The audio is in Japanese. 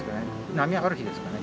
波ある日ですかね